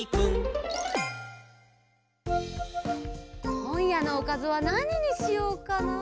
こんやのおかずはなににしようかな。